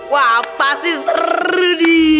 wah pasti seru nih